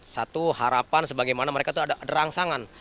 satu harapan sebagaimana mereka itu ada rangsangan